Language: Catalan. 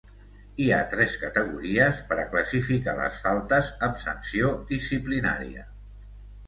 Hi ha tres categories per a classificar les faltes amb sanció disciplinària.